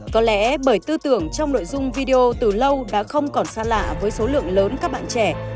có lẽ bởi tư tưởng trong nội dung video từ lâu đã không còn xa lạ với số lượng lớn các bạn trẻ